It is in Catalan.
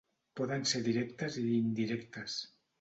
Poden ser directes i indirectes.